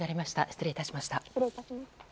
失礼いたしました。